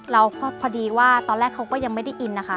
แล้วพอดีว่าตอนแรกเขาก็ยังไม่ได้อินนะคะ